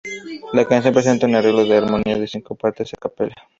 La canción presenta un arreglo de armonía de cinco partes "a capella".